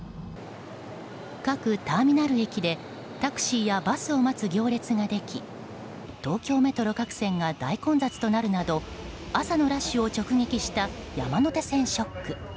各ターミナル駅でタクシーやバスを待つ行列ができ、東京メトロ各線が大混雑となるなど朝のラッシュを直撃した山手線ショック。